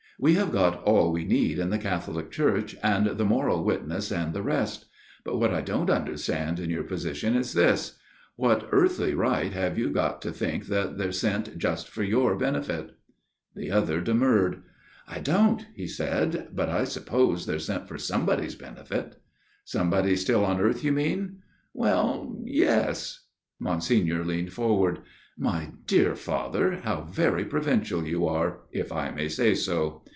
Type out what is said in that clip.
We have got all we need in the Catholic Church, and the moral wit ness, and the rest. But what I don't understand in your position is this What earthly right have you got to think that they're sent just for your benefit ?" The other demurred. " I don't," he said. " But I suppose they're sent for somebody's benefit." " Somebody still on earth, you mean ?"" Well yes." Monsignor leaned forward. " My dear Father, how very provincial you are if I may say so